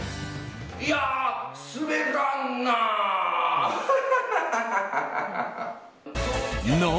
いやー、すべらんな。